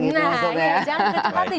nah jangan terkecepat nih